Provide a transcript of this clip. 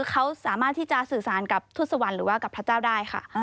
เขาสามารถที่จะสื่อสารกับทศวรรค์หรือว่ากับพระเจ้าได้ค่ะ